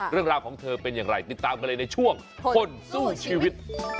เรื่องราวของเธอเป็นอย่างไรติดตามกันเลยในช่วงคนสู้ชีวิต